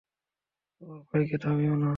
তোমার ভাইকে থামিও না।